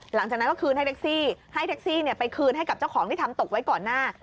หลังจากนั้นก็คืนให้แท็กซี่ให้แท็กซี่ไปคืนให้กับเจ้าของที่ทำตกไว้ก่อนหน้า